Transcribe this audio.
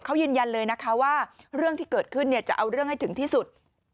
เขายืนยันเลยนะคะว่าเรื่องที่เกิดขึ้นจะเอาเรื่องให้ถึงที่สุด